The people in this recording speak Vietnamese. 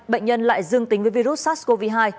bệnh nhân lại dương tính với virus sars cov hai